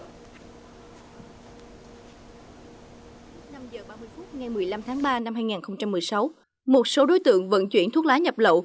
năm giờ ba mươi phút ngày một mươi năm tháng ba năm hai nghìn một mươi sáu một số đối tượng vận chuyển thuốc lá nhập lậu